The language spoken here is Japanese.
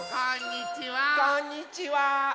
こんにちは！